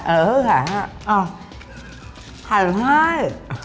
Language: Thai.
เออหาให้อ้าว